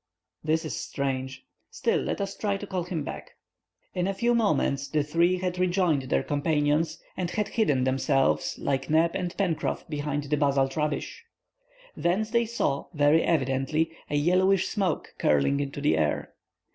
"That is strange. Still, let us try to call him back." In a few moments the three had rejoined their companions, and had hidden themselves, like Neb and Pencroff, behind the basalt rubbish. Thence they saw, very evidently, a yellowish smoke curling into the air.